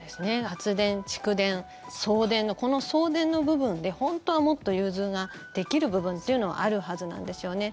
発電、蓄電、送電のこの送電の部分で本当はもっと融通ができる部分というのはあるはずなんですよね。